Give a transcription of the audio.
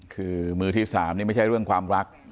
คือมือที่๓นี่ไม่ใช่เรื่องความรัก